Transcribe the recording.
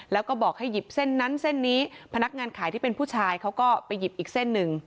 แล้วก็บอกให้หยิบเส้นนั้นเส้นนี้พนักงานขายที่เป็นผู้ชายเขาก็ไปหยิบอีกเส้นหนึ่ง